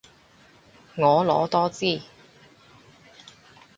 婀娜多姿